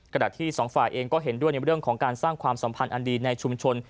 ที่สองฝ่ายเองก็เห็นด้วยในเรื่องของการสร้างความสัมพันธ์อันดีในชุมชน